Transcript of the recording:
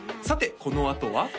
さてこのあとは？